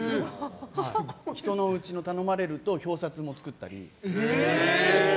人のおうちで頼まれると表札も作ったり。